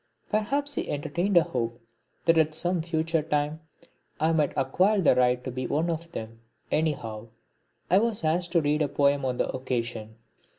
Perhaps he entertained a hope that at some future time I might acquire the right to be one of them; anyhow I was asked to read a poem on the occasion.